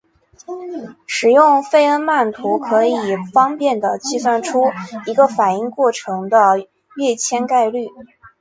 使用费恩曼图可以方便地计算出一个反应过程的跃迁概率。